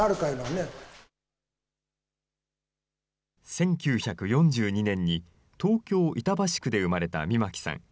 １９４２年に東京・板橋区で生まれたみまきさん。